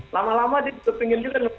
lama lama dia juga pingin juga